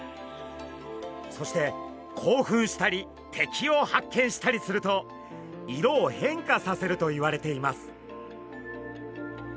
そして興奮したり敵を発見したりすると色を変化させるといわれています。